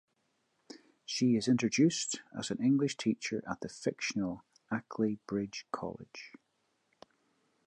She is introduced as an English teacher at the fictional Ackley Bridge College.